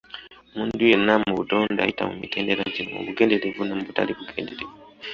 Omuntu yenna mu butonde ayita mu mitendera gino, mu bugenderevu ne mu butali bugenderevu.